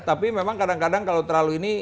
tapi memang kadang kadang kalau terlalu ini